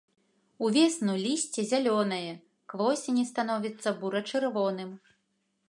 Увесну лісце зялёнае, к восені становіцца бура-чырвоным.